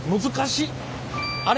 あれ？